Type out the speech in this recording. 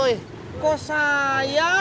saya nggak mau penggantikan